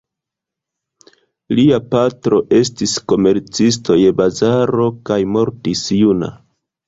Lia patro estis komercisto je bazaro kaj mortis juna.